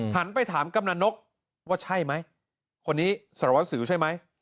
หันไปถามกำนันนกว่าใช่ไหมคนนี้สารวัสสิวใช่ไหม